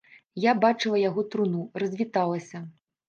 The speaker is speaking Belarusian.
Я бачыла яго труну, развіталася.